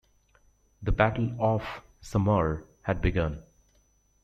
The Battle off Samar had begun.